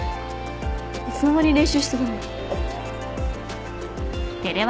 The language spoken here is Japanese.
いつの間に練習してたの？